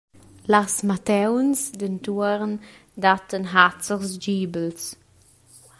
Las mattauns dentuorn dattan hazers gibels.